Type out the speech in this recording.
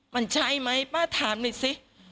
มันใช่ไหมป้าถามหน่อยสิ